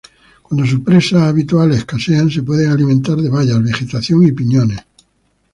Cuando sus presas habituales escasean, se pueden alimentar de bayas, vegetación y piñones.